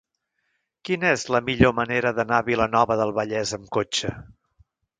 Quina és la millor manera d'anar a Vilanova del Vallès amb cotxe?